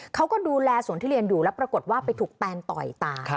เขาก็ดูแลสวนทุเรียนอยู่แล้วปรากฏว่าไปถูกแตนต่อยตา